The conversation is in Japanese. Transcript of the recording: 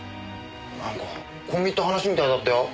なんか込み入った話みたいだったよ。